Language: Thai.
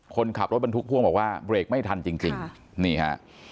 คนขับรถบรรทุกพ่วงบอกว่าเบรกไม่ทันจริงนี่ฮะ